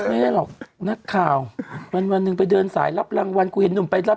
มันต้องจัดตัวเพื่อนอย่างนี้มันก็เป็นเด็กยักษ์